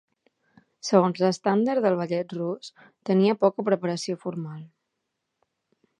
Segons l'estàndard del ballet rus, tenia poca preparació formal.